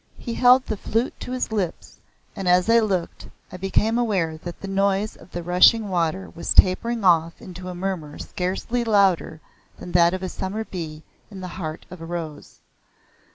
He held the flute to his lips, and as I looked, I became aware that the noise of the rushing water was tapering off into a murmur scarcely louder than that of a summer bee in the heart of a rose.